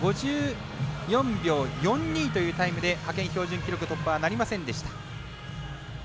５４秒４２というタイムで派遣標準記録突破はなりませんでした。